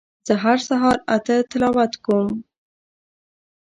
زه هر سهار اته تلاوت کوم